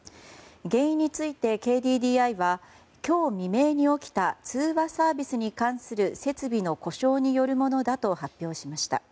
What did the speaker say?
原因についてＫＤＤＩは今日未明に起きた通話サービスに関する設備の故障によるものだと発表しました。